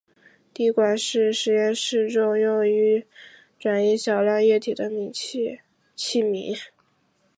滴管是实验室中用于转移少量液体的器皿。